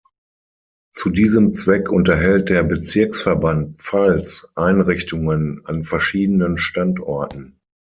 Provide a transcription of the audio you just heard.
Zu diesem Zweck unterhält der Bezirksverband Pfalz "Einrichtungen" an verschiedenen Standorten.